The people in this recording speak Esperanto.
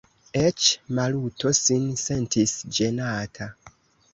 Eĉ Maluto sin sentis ĝenata.